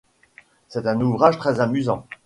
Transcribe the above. C’est un ouvrage très amusant.